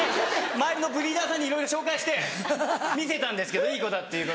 周りのブリーダーさんにいろいろ紹介して見せたんですけどいい子だっていうことで。